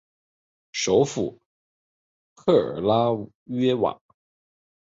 首府克拉约瓦。